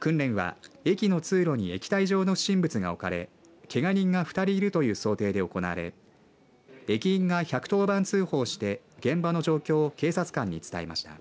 訓練は駅の通路に液体状の不審物が置かれけが人が２人いるという想定で行われ駅員が１１０番通報して現場の状況を警察官に伝えました。